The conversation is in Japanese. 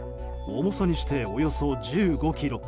重さにして、およそ１５ｋｇ。